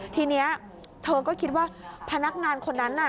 ทีนี้เธอก็คิดว่าพนักงานคนนั้นน่ะ